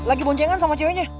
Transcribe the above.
lagi boncengan sama ceweknya